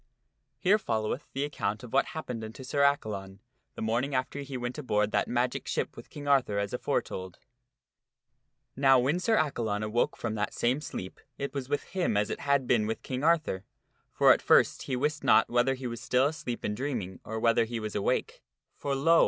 HERE followeth the account of what happened unto Sir Accalon the morning after he went aboard that magic ship with King Arthur as aforetold. Now when Sir Accalon awoke from that same sleep it was with him as it had been with King Arthur ; for, at first, he wist not whether he was still asleep and dreaming or whether he was awake. For, lo